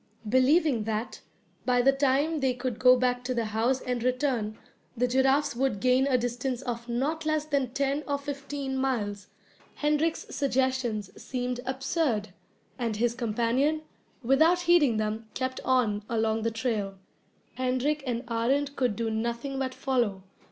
Believing that, by the time they could go back to the house and return, the giraffes would gain a distance of not less than ten or fifteen miles, Hendrik's suggestions seemed absurd, and his companion, without heeding them, kept on along the trail. Hendrik and Arend could do nothing but follow.